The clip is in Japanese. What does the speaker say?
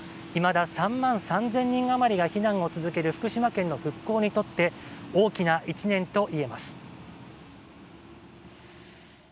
いまだ３万３０００人余りが避難を続ける福島県の復興にとって大きな１年といえます。